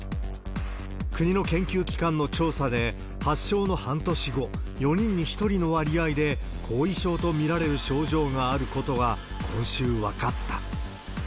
国の研究機関の調査で、発症の半年後、４人に１人の割合で後遺症と見られる症状があることが今週分かった。